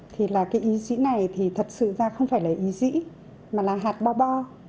thì cái y dĩ này thì thật sự ra không phải là y dĩ mà là hạt bo bo